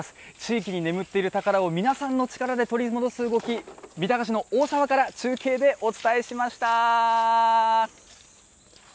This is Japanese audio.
地域に眠っている宝を皆さんの力で取り戻す動き、三鷹市の大沢から中継でお伝えしました。